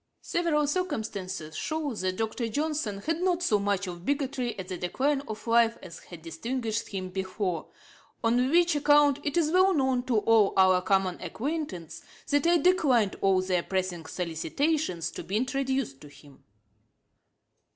Several circumstances show that Dr. Johnson had not so much of bigotry at the decline of life as had distinguished him before, on which account it is well known to all our common acquaintance, that I declined all their pressing solicitations to be introduced to him.'